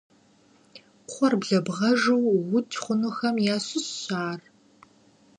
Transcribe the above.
Кхъуэр блэбгъэжу уукӏ хъунухэм ящыщщ ар.